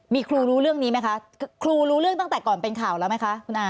มีครูรู้เรื่องนี้ไหมคะครูรู้เรื่องตั้งแต่ก่อนเป็นข่าวแล้วไหมคะคุณอา